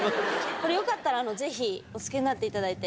これよかったらぜひお着けになって頂いて。